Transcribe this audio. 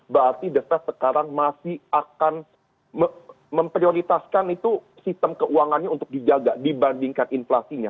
berarti the fed sekarang masih akan memprioritaskan itu sistem keuangannya untuk dijaga dibandingkan inflasinya